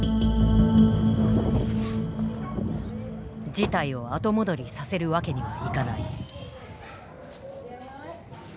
事態を後戻りさせるわけにはいかない。